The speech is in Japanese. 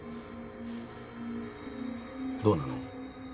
どうなの？